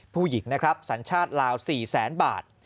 ผู้หญิงสัญชาติลาว๔๐๐๐๐๐บาท